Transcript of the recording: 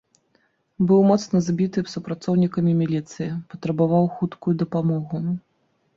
Быў моцна збіты супрацоўнікамі міліцыі, патрабаваў хуткую дапамогу.